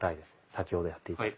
先ほどやっていた。